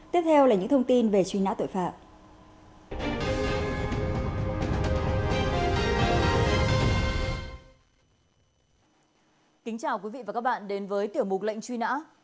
kính chào quý vị và các bạn đến với tiểu mục lệnh truy nã